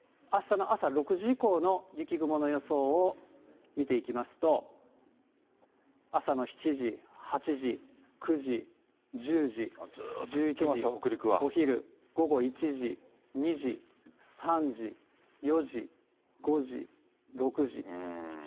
あしたの朝６時以降の雪雲の予想を見ていきますと、朝の７時、８時、９時、１０時、１１時、お昼、午後１時、２時、３時、４時、５時、６時、７時、８時、９時。